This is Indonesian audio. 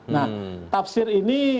nah tafsir ini